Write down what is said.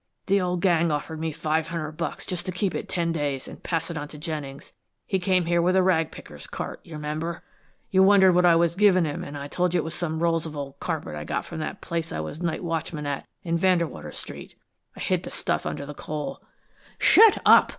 The old gang offered me five hundred bucks just to keep it ten days, and pass it on to Jennings. He came here with a rag picker's cart, you remember? You wondered what I was givin' him, an' I told you it was some rolls of old carpet I got from that place I was night watchman at, in Vandewater Street. I hid the stuff under the coal " "Shut up!"